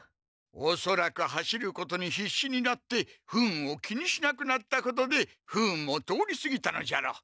おそらく走ることにひっしになって不運を気にしなくなったことで不運も通りすぎたのじゃろう。